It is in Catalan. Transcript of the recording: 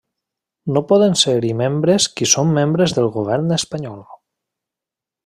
No poden ser-hi membres qui són membres del Govern espanyol.